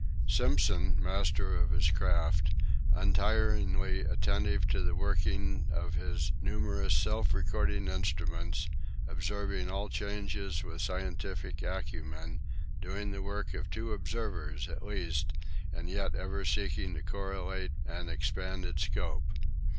Simpson, master of his craft, untiringly attentive to the working of his numerous self recording instruments, observing all changes with scientific acumen, doing the work of two observers at least and yet ever seeking to correlate an expanded scope.